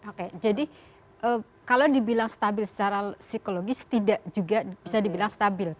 oke jadi kalau dibilang stabil secara psikologis tidak juga bisa dibilang stabil